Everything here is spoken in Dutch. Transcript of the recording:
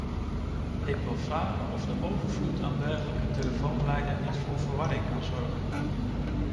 Ik wil vragen of de overvloed aan dergelijke telefoonlijnen niet voor verwarring kan zorgen.